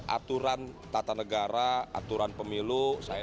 aturan tata negara aturan pemilu saya